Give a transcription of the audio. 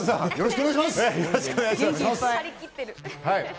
はい。